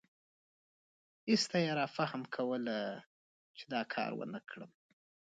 ایسته یې رافهم کوله چې دا کار ونکړم.